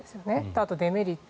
あとデメリット